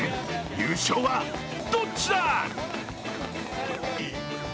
優勝はどっちだ？